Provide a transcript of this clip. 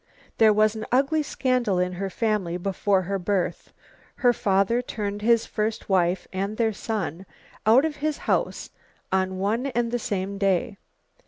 There was an ugly scandal in her family before her birth. Her father turned his first wife and their son out of his house on one and the same day.